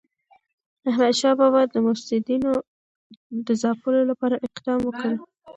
احمدشاه بابا د مفسدینو د ځپلو لپاره اقدام وکړ.